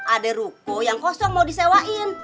ada ruko yang kosong mau disewain